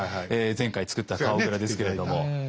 前回作った顔グラですけれども。